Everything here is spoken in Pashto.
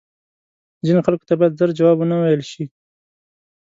ځینو خلکو ته باید زر جواب وه نه ویل شې